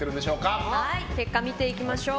結果を見ていきましょう。